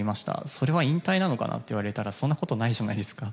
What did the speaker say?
それは引退なのかなって言われたらそんなことないじゃないですか。